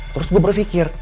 terus gue berpikir